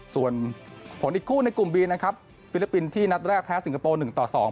ส่วนผลอีกคู่ในกลุ่มบีนะครับฟิลิปปินส์ที่นัดแรกแพ้สิงคโปร์หนึ่งต่อสอง